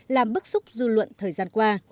làm bức xúc dư luận thời gian qua